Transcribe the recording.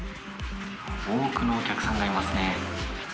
多くのお客さんがいますね。